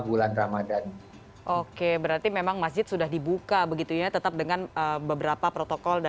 bulan ramadhan oke berarti memang masih sudah dibuka begitunya tetap dengan beberapa protokol